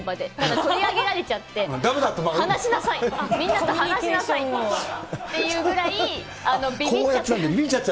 取り上げられちゃって、話しなさい、みんなと話しなさいっていうぐらい、びびっちゃってました。